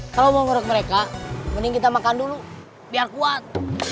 kalau mau ngurut mereka mending kita makan dulu biar kuat